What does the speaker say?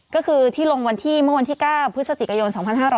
ก็คือที่ลงวันที่เมื่อวันที่๙พฤศจิกายน๒๕๖๐